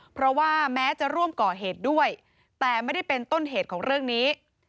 เพราะว่าแม้จะร่วมก่อเหตุด้วยแต่ไม่ได้เป็นต้นเหตุของเรื่องนี้